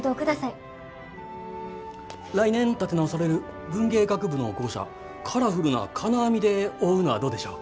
来年建て直される文芸学部の校舎カラフルな金網で覆うのはどうでしょう？